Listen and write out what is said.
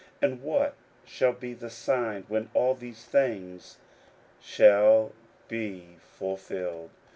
and what shall be the sign when all these things shall be fulfilled?